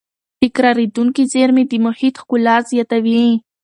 تکرارېدونکې زېرمې د محیط ښکلا زیاتوي.